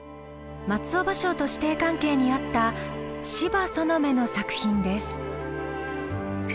松尾芭蕉と師弟関係にあった斯波園女の作品です。